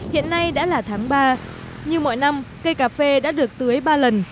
hiện nay đã là tháng ba như mọi năm cây cà phê đã được tưới ba lần